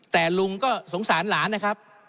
แต่ลุงก็สงสารหลานนะครับ